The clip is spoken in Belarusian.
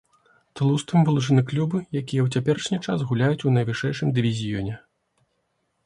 Тлустым вылучаны клубы, якія ў цяперашні час гуляюць ў найвышэйшым дывізіёне.